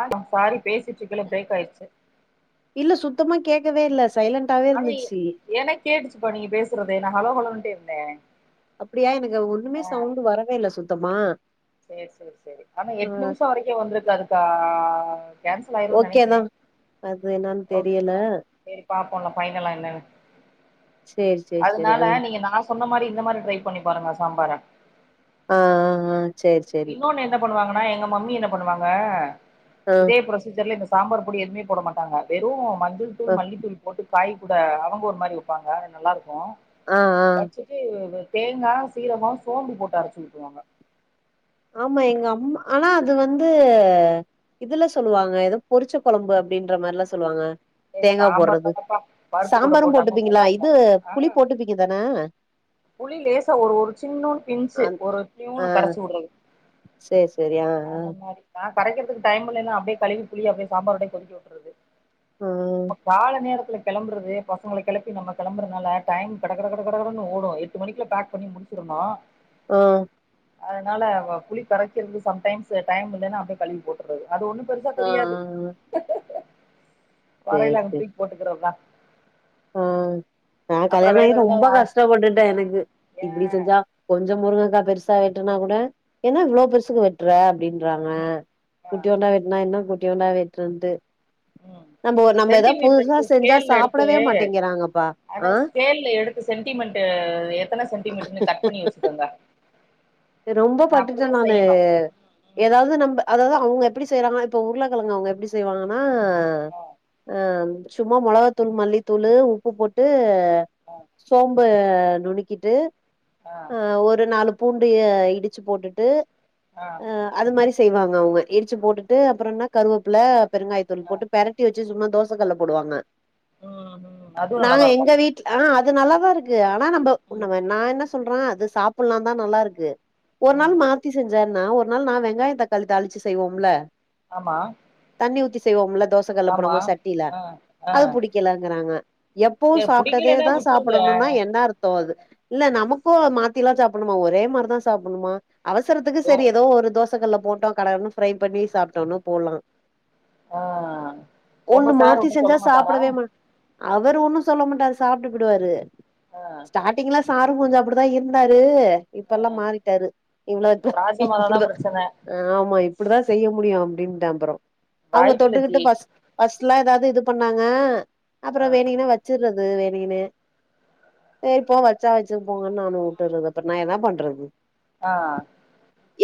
ஆடி sorry பேசிட்டு இருக்கல break ஆயிடுச்சு இல்ல சுத்தமா கேக்கவே இல்லஸ் சைலன்டாவே இருந்துச்சு இப்ப நீ பேசுறது நா ஹலோ ஹலோன்டே இருந்த அப்டியா எனக்கு ஒண்ணுமே சவுண்டு வரவே இல்ல சுத் தமா சேரி சேரி சேரி ஆனா எட்டு நிமுஷோ வரைக்கு வந்துருக்காதுக்கா ஓகேதா அதுன் ஓகேக்கா சேரி பாப்போ பைனலா என்னன்னு சரி சரி சரி ஆ அதனால நீங்க நா சொன்ன மாரி இந்த மாரி டிரை பண்ணி பாருங்க சாம்பார ஆ ஆ ஆ சரி சரி இன்னொன்னு என்ன பண்ணுவாங்கன் னா எங்க மம்மி என்ன பண்ணுவாங்க ஆ இதே புரொசிஜர்ல சாம்பார் பொடி எதுமே போட மாட்டாங்க வெறு மஞ்சள் ஆ தூள் மல்லித்தூள் போட்டு காய் கூட அவுங்க ஒரு மாரி வெப்பாங்க நல்லா இருக்கு ஆ ஆ வச்சுட்டு தேங்கா சீரகோ சோம்பு போட்டு அரச்சு ஊத்துவாங்க ஆமா எங்க அம் ஆனா அது வந்து இதுல சொல்லுவாங்க ஏதோ பொரிச்ச குழம்பு அப்டின்ற மாரிலா சொல்லுவாங்க ஏ தேங்கா சாம்பார் போடுறது தானப்பா பருப்பு கூட சாம்பாரு போட்டாங்க நல்லா போட்டுப்பீங்களா இருக்கு இது ஆ புளி போட்டுப்பீங்க தான புளி லேசா ஒரு ஒரு சின்னு பிஞ்சு ஒரு தியூனு கரச்சு விடுறது சேரி சேரி ஆ ஆ அந்த ஆ மாரி நா கரைக்குறதுக்கு டைம் இல்லேனு அப்டியே கழுவி புளிய அப்டியே சாம்பாரோடய கொதிக்க விட்றது ஆ நம ஆ காலநேர கெளம்புறது பசங்கள கெளப்பி நம்ம கிளம்பறதுனால டைம் கடகடகடகடனு ஓடு எட்டு மணிக்குல பேக் பண்ணி முடிச்சுருனு ஆ அதனால புளி கரைக்குறது சம்டைம்ஸ் டைம் இல்லன்னா அப்டியே கழுவி போட்டுறது அது ஒன்னு பெருசா ஆ தெரியாது ஆ சரி வரயில அங்க சரி தூக்கி போட்டுக்கிறத ஆ நா அப்புற கல்யாண வேற ஆகி எதுனா ரொம்ப கஷ்டப்பட்டுட்டே எனக்கு ஏ இப்டி செஞ்சா கொஞ்ச முருங்கக்கா பெருசா வெட்டுனா கூட என்னா இவ்ளோ பெருசுக்கு வெட் ரா அப்டினு ம் ஆ குட்டியோண்டா என்னு என்னா குட்டி குட்யுயோண்டா வெட்டுருது ம் நம்ம நம்ம ஏதாது புதுசா செஞ்சா சாப்டவே மாட்டோ அட ஸ்கேல எடுத்து சென்டிமென்டு எத்தன சென்டிமீட்டர்னூ கட் பண்ணி வச்சுக்கோங்க ரொம்ப ஏன்னா பட்டுட்டே அப்படிதா நானு செய்யணு ம் ஏதாவது நம்ப அதாவது அவுங்க எப்டி செய்யறாங்கா இப்போ உருளக்கிழங்கு அவுங்க எப்டி செய்வாங்கனா ஆ ஆ சும்மா மொளகத்தூள் மல்லித்தூளு உப்பு போட்டு ஆ சோம்பு ஆ நுனிகிட்டு ஆ ஒரு நாலு கு இடிச்சு போட்டுட்டு ஆ அது மாரிஸ் செய்வாங்க அவுங்க இடிச்சு போட்டுட்டு அப்ற என்ன கருவப்புல பெருங்காயதூள் ஆ போட்டு பெரட்டி வச்சு சுமாந் தோசை கல்ல போடுவாங்க ம் ம் அதுவு நாங்க நல்லாதா இருக்கு எங்க வீட் ஆ அது நல்லதாருக்கு ஆ நம்ப ம் உன்னம நா என்ன சொல்றான் அது சாப்புலான் தா நல்லாருக்கு கு ஒரு நாள் ம் மாத்தி செஞ்சார் நா ஒரு நாள் நா வெங்காய தக்காளி தாளிச்சு செய்வோம்ல அமா தண்ணி ஊத்தி செய்வோம்ல தோசை கல்ல போடம்போது சட்டில ஆ அது புடிக்கலங்கிறாங்க எப்பவு சரி புடிக்கலன்னா சாப்பிட்டதேதான் விட்டுருங்க சாப்டணுன்னா என்ன அர்த்தோம் அது இல்ல நமக்கு எப்ப மாத்தி எல்லா சாப்புண்மா ஒரே மார் அதா சாப்புணுமா அவசரத்துக்கு ஓ சரி ஏதோ ஒரு தோஸ் தேசக்கல்ல போட்டோம் கட கடன்னு ஃப்ரை பண்ணி சாப்டோன்னு போலாம் ஆ உங்க ஒன்னு சார் மாத்தி செஞ்சா சொல்ல மாட்டாரா சாப்புடவே மா அவர் ஒன்னு சொல்ல மாட்டாரு சாப்புட்டு புடுவாரு ஆ ஸ்டார்டிங்லா சாரும் கொஞ்ச அப்டிதா இருந்தாரு ஆ இப்பெல்லா மாறிட்டாரு இப்ப இவ்ளோக்கு ராஜமாதாதா இப்டிதா பிரச்சன ஆமா இப்டிதான் செய்ய முடியும் அப்டிந் தாம்பரோம் அவுங்க வாய்ப்பில்ல தொட்டுக்குட்டு ஜி பஸ் பஸ்ட்ல ஏதாது அது இது பண்ணாங்க அப்புற வேணீகினே வச்சுறது இது வேனின்னு சரிப்போ வச்சா வச்சு போங்குனு நானு வுட்றது அப்ற நா என்ன பண்ண றது ஆ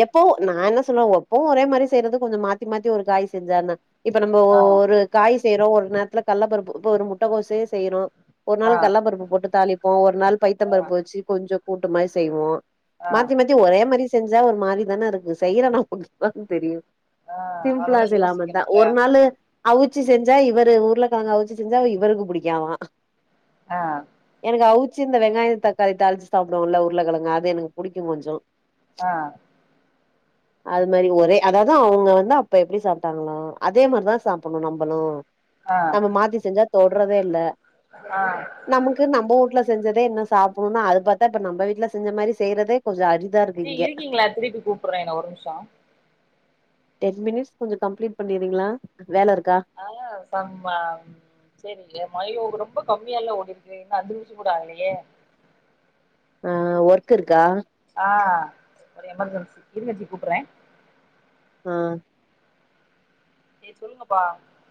எப்போ நா என்ன சொல்லுவே எப்பவும் ஒரே மாரி செய்யறது கொஞ்ச மாத்தி மாத்தி ஒரு காய் செஞ்சான்ன இப்ப நம்ம ஆ ஒரு காய் செ செய்ரோ ஒரு நேரத்துல கள்ள பருப்பு இப்ப ஒரு முட்டைகோசயே செய்றோ ஒரு ஆ நாள் கள்ளப்பருப்பு போட்டு தாலிப் போவர் ஒரு நாள் பைத்தம் ஆ பருப்பு வச்சு கொஞ்ச கூட்டு மாரி செய்வோ ஆ மாத்தி மாத்தி ஒரே மாரி செ செஞ்சா ஒரு மாரிதானே இருக்கு செய்ரனா தான்னு தெரியும் ஆ சிம்ப்ளா அதெல்லா சிலாம தா யோசிக்கணும்ல ஒரு நாளு அவிச்சி செஞ்சா இவரு உருலக்கிழங்க அவிச்சி செஞ்சா இவருக்கு புடிக்காதா ஆ எனக்கு அவுச் இந்த வெங்காய தக்காளி தாளிச்சு சாப்புடுவோ இல்ல உருளை கிழங்க அது எனக்கு புடிக்கும் கொஞ்சோ அ அது மாரி ஒரே அதாதா அவுங்க வந்து அப்ப எப்டி சாப்பிட்டாங்களோ அதே மாரிதா சாப்பணு நம்மளும் ஆ நம்ம மாத்தி செஞ்சா தொட்றதே இல்ல ஆ நமக்கு நம்ம வீட்ல செஞ்சதே என்ன சாப்பிடும் அது பாத்தா இப்ப நம்ம வீட்ல செஞ்ச மாரி செய்யறதே கொஞ்ச அதிக சி இருக்கீங்களா திருப்பி கூப்பிடுறே என்ன ஒரு நிமிஷம் டென் மினிட்ஸ் கொஞ்ச கம்ப்ளீட் பண்ணிறிங்களா ஆ சம் செரிங்க மயோகரம் ரொம்ப கம்மியால ஓட்டிருக்கு இன்னும் அஞ்சு நிமிஷ கூட ஆகலையே ஆ ஒர்க் இருக்கா அ ஒரு எமர்ஜென்சி இருங்கெச்சி கூப்புட்டுறே ஆ ஏ சொல்லுங்கப்பா